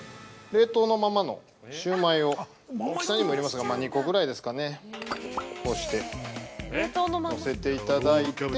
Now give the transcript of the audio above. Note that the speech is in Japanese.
冷凍のままのシューマイを大きさにもよりますが、２個ぐらいですかね、乗せて入れて。